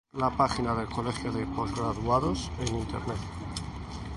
La página del Colegio de Postgraduados en Internet